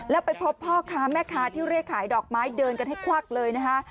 แล้วไปพบพ่อค้าแม่ค้าที่เรียกขายดอกไม้เดินกันให้ควักเลยนะคะ